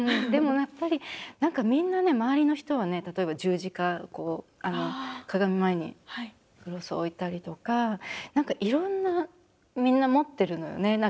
でもやっぱり何かみんなね周りの人はね例えば十字架鏡前にクロス置いたりとか何かいろんなみんな持ってるのよね。